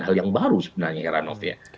hal yang baru sebenarnya ya ranof ya